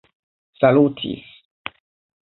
salutis